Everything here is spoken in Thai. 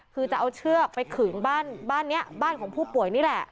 คือจะเอาเชือกไปขึงบ้านนี้บ้านของผู้ป่วยนี่แหละ